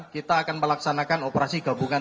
kita akan melaksanakan operasi gabungan